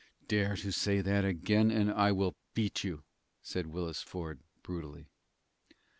"Dare to say that again, and I will beat you," said Willis Ford, brutally.